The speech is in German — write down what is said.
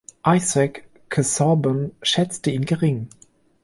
Isaac Casaubon schätzte ihn gering.